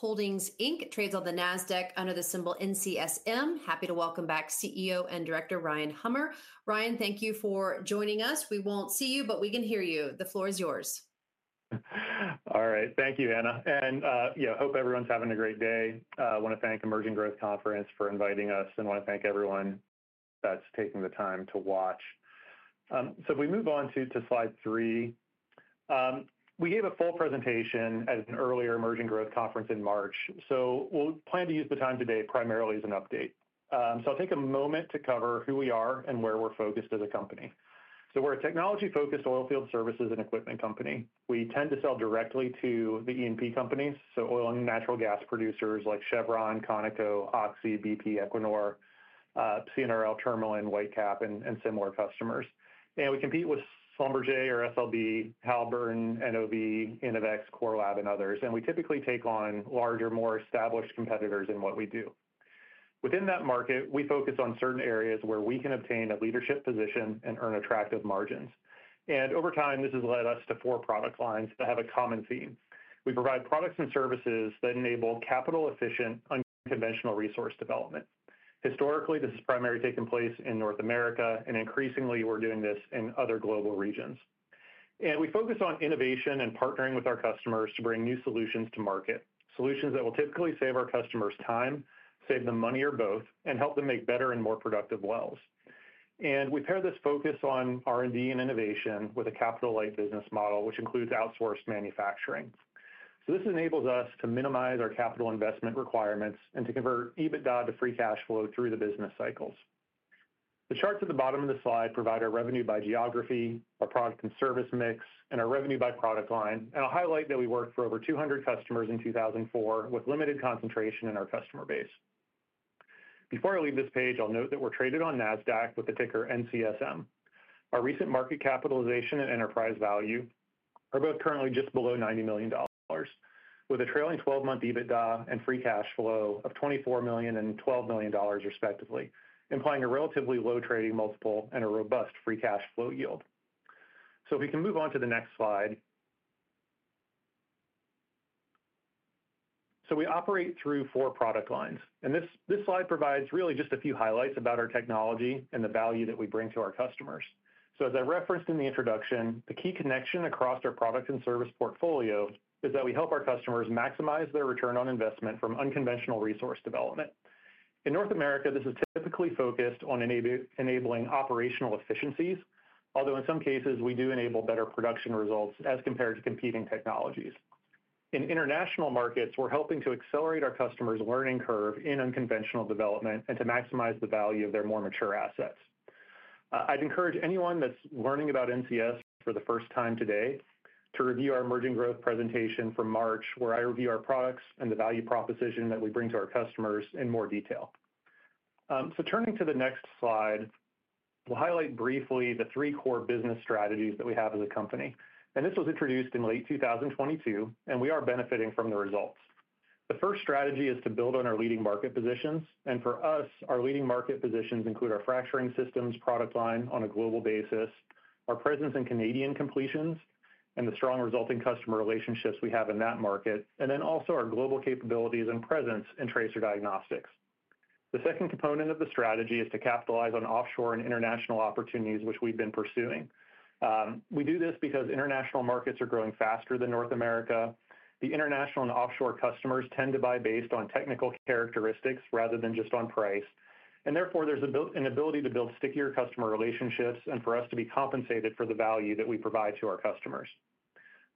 Holdings Inc trades on the NASDAQ under the symbol NCSM. Happy to welcome back CEO and Director Ryan Hummer. Ryan, thank you for joining us. We won't see you, but we can hear you. The floor is yours. All right. Thank you, Anna. And, you know, hope everyone's having a great day. I want to thank Emerging Growth Conference for inviting us and want to thank everyone that's taking the time to watch. If we move on to slide three, we gave a full presentation at an earlier Emerging Growth Conference in March. We plan to use the time today primarily as an update. I'll take a moment to cover who we are and where we're focused as a company. We're a technology-focused oilfield services and equipment company. We tend to sell directly to the E&P companies, so oil and natural gas producers like Chevron, Conoco, Oxy, BP, Equinor, CNRL, Tourmaline, Whitecap, and similar customers. We compete with Schlumberger or SLB, Halliburton, NOV, Innovex, Core Lab, and others. We typically take on larger, more established competitors in what we do. Within that market, we focus on certain areas where we can obtain a leadership position and earn attractive margins. Over time, this has led us to four product lines that have a common theme. We provide products and services that enable capital-efficient, unconventional resource development. Historically, this has primarily taken place in North America, and increasingly, we're doing this in other global regions. We focus on innovation and partnering with our customers to bring new solutions to market, solutions that will typically save our customers time, save them money or both, and help them make better and more productive wells. We pair this focus on R&D and innovation with a capital-light business model, which includes outsourced manufacturing. This enables us to minimize our capital investment requirements and to convert EBITDA to free cash flow through the business cycles. The charts at the bottom of the slide provide our revenue by geography, our product and service mix, and our revenue by product line. I'll highlight that we worked for over 200 customers in 2004 with limited concentration in our customer base. Before I leave this page, I'll note that we're traded on NASDAQ with the ticker NCSM. Our recent market capitalization and enterprise value are both currently just below $90 million, with a trailing 12-month EBITDA and free cash flow of $24 million and $12 million, respectively, implying a relatively low trading multiple and a robust free cash flow yield. If we can move on to the next slide. We operate through four product lines. This slide provides really just a few highlights about our technology and the value that we bring to our customers. As I referenced in the introduction, the key connection across our product and service portfolio is that we help our customers maximize their return on investment from unconventional resource development. In North America, this is typically focused on enabling operational efficiencies, although in some cases, we do enable better production results as compared to competing technologies. In international markets, we're helping to accelerate our customers' learning curve in unconventional development and to maximize the value of their more mature assets. I'd encourage anyone that's learning about NCS for the first time today to review our Emerging Growth presentation from March, where I review our products and the value proposition that we bring to our customers in more detail. Turning to the next slide, we'll highlight briefly the three core business strategies that we have as a company. This was introduced in late 2022, and we are benefiting from the results. The first strategy is to build on our leading market positions. For us, our leading market positions include our fracturing systems product line on a global basis, our presence in Canadian completions, the strong resulting customer relationships we have in that market, and also our global capabilities and presence in tracer diagnostics. The second component of the strategy is to capitalize on offshore and international opportunities, which we have been pursuing. We do this because international markets are growing faster than North America. The international and offshore customers tend to buy based on technical characteristics rather than just on price. Therefore, there is an ability to build stickier customer relationships and for us to be compensated for the value that we provide to our customers.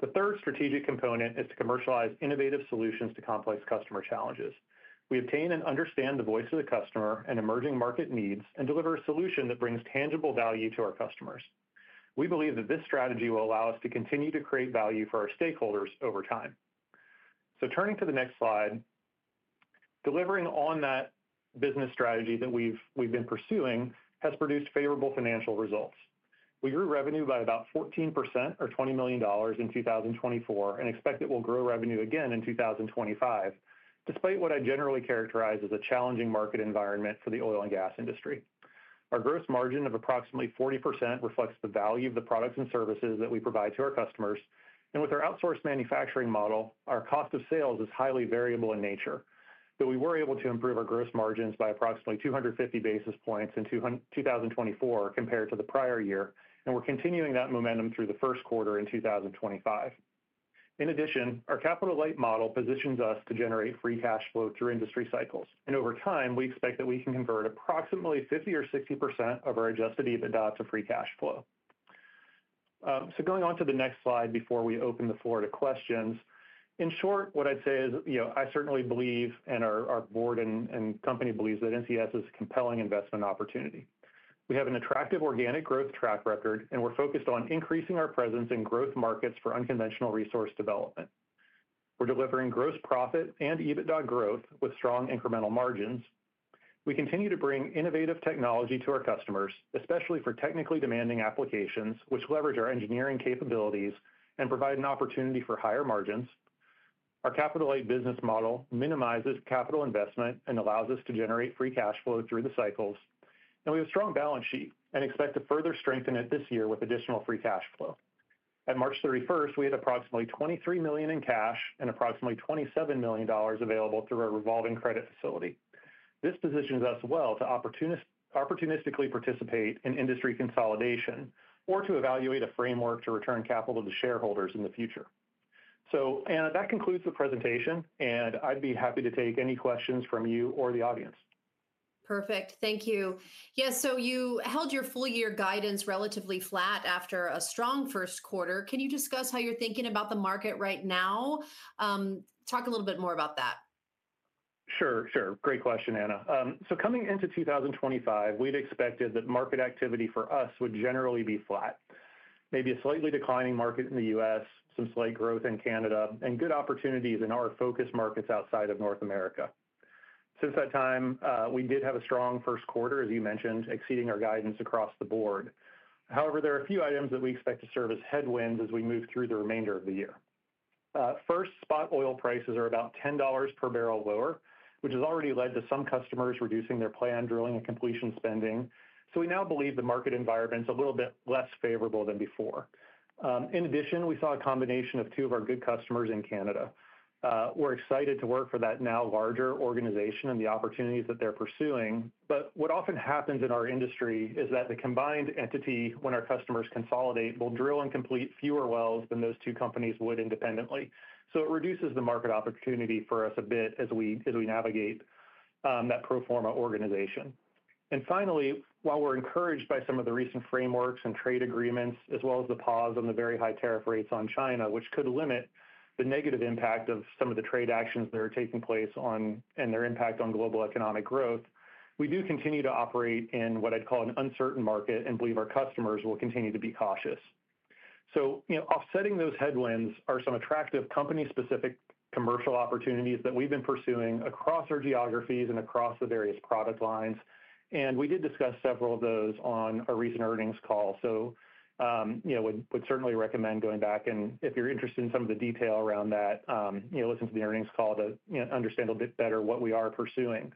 The third strategic component is to commercialize innovative solutions to complex customer challenges. We obtain and understand the voice of the customer and emerging market needs and deliver a solution that brings tangible value to our customers. We believe that this strategy will allow us to continue to create value for our stakeholders over time. Turning to the next slide, delivering on that business strategy that we've been pursuing has produced favorable financial results. We grew revenue by about 14% or $20 million in 2024 and expect that we'll grow revenue again in 2025, despite what I generally characterize as a challenging market environment for the oil and gas industry. Our gross margin of approximately 40% reflects the value of the products and services that we provide to our customers. With our outsourced manufacturing model, our cost of sales is highly variable in nature. We were able to improve our gross margins by approximately 250 basis points in 2024 compared to the prior year, and we're continuing that momentum through the first quarter in 2025. In addition, our capital-light model positions us to generate free cash flow through industry cycles. Over time, we expect that we can convert approximately 50% or 60% of our Adjusted EBITDA to free cash flow. Going on to the next slide before we open the floor to questions. In short, what I'd say is, you know, I certainly believe, and our board and company believes that NCS is a compelling investment opportunity. We have an attractive organic growth track record, and we're focused on increasing our presence in growth markets for unconventional resource development. We're delivering gross profit and EBITDA growth with strong incremental margins. We continue to bring innovative technology to our customers, especially for technically demanding applications, which leverage our engineering capabilities and provide an opportunity for higher margins. Our capital-light business model minimizes capital investment and allows us to generate free cash flow through the cycles. We have a strong balance sheet and expect to further strengthen it this year with additional free cash flow. At March 31st, we had approximately $23 million in cash and approximately $27 million available through our revolving credit facility. This positions us well to opportunistically participate in industry consolidation or to evaluate a framework to return capital to shareholders in the future. Anna, that concludes the presentation, and I'd be happy to take any questions from you or the audience. Perfect. Thank you. Yes. You held your full-year guidance relatively flat after a strong first quarter. Can you discuss how you're thinking about the market right now? Talk a little bit more about that. Sure, sure. Great question, Anna. Coming into 2025, we'd expected that market activity for us would generally be flat, maybe a slightly declining market in the U.S., some slight growth in Canada, and good opportunities in our focus markets outside of North America. Since that time, we did have a strong first quarter, as you mentioned, exceeding our guidance across the board. However, there are a few items that we expect to serve as headwinds as we move through the remainder of the year. First, spot oil prices are about $10 per barrel lower, which has already led to some customers reducing their planned drilling and completion spending. We now believe the market environment is a little bit less favorable than before. In addition, we saw a combination of two of our good customers in Canada. We're excited to work for that now larger organization and the opportunities that they're pursuing. What often happens in our industry is that the combined entity, when our customers consolidate, will drill and complete fewer wells than those two companies would independently. It reduces the market opportunity for us a bit as we navigate that pro forma organization. Finally, while we're encouraged by some of the recent frameworks and trade agreements, as well as the pause on the very high tariff rates on China, which could limit the negative impact of some of the trade actions that are taking place and their impact on global economic growth, we do continue to operate in what I'd call an uncertain market and believe our customers will continue to be cautious. You know, offsetting those headwinds are some attractive company-specific commercial opportunities that we've been pursuing across our geographies and across the various product lines. We did discuss several of those on our recent earnings call. You know, we'd certainly recommend going back. If you're interested in some of the detail around that, you know, listen to the earnings call to understand a little bit better what we are pursuing.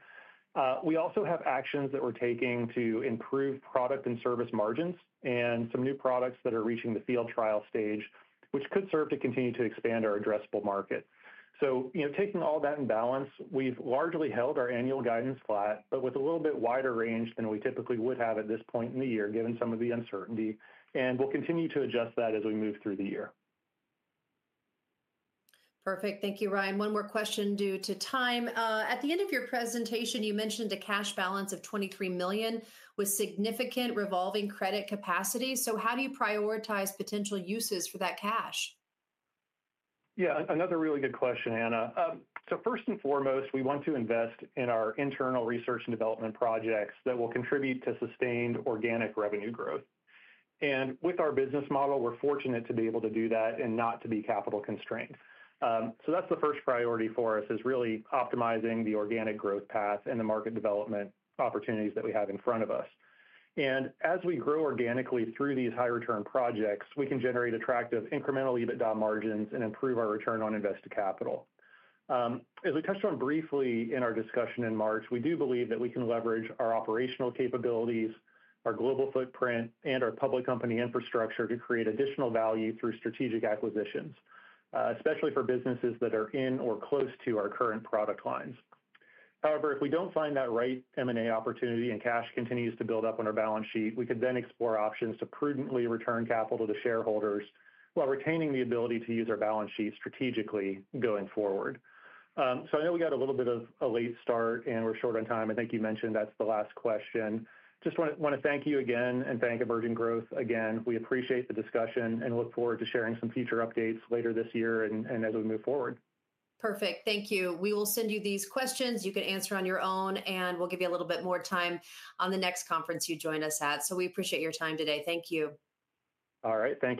We also have actions that we're taking to improve product and service margins and some new products that are reaching the field trial stage, which could serve to continue to expand our addressable market. You know, taking all that in balance, we've largely held our annual guidance flat, but with a little bit wider range than we typically would have at this point in the year, given some of the uncertainty. We will continue to adjust that as we move through the year. Perfect. Thank you, Ryan. One more question due to time. At the end of your presentation, you mentioned a cash balance of $23 million with significant revolving credit capacity. How do you prioritize potential uses for that cash? Yeah, another really good question, Anna. First and foremost, we want to invest in our internal research and development projects that will contribute to sustained organic revenue growth. With our business model, we're fortunate to be able to do that and not to be capital constrained. The first priority for us is really optimizing the organic growth path and the market development opportunities that we have in front of us. As we grow organically through these high-return projects, we can generate attractive incremental EBITDA margins and improve our return on invested capital. As we touched on briefly in our discussion in March, we do believe that we can leverage our operational capabilities, our global footprint, and our public company infrastructure to create additional value through strategic acquisitions, especially for businesses that are in or close to our current product lines. However, if we do not find that right M&A opportunity and cash continues to build up on our balance sheet, we could then explore options to prudently return capital to shareholders while retaining the ability to use our balance sheet strategically going forward. I know we got a little bit of a late start and we are short on time. I think you mentioned that is the last question. Just want to thank you again and thank Emerging Growth again. We appreciate the discussion and look forward to sharing some future updates later this year and as we move forward. Perfect. Thank you. We will send you these questions. You can answer on your own, and we'll give you a little bit more time on the next conference you join us at. We appreciate your time today. Thank you. All right. Thanks.